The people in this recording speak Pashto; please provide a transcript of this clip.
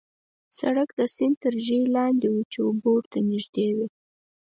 سړک د سیند تر ژۍ لاندې وو، چې اوبه ورته نژدې وې.